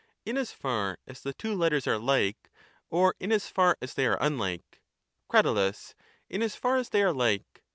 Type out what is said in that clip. In as far as the two letters are like, or in as far as they are unlike? Crat. In as far as they are like.